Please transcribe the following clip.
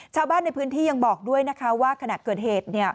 ชาวบ้านในพื้นที่ยังบอกด้วยนะคะว่าขณะเกิดเหตุเนี่ย